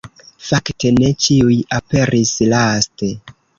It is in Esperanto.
Fakte ne ĉiuj aperis laste.